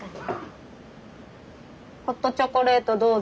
ホットチョコレートどうぞ。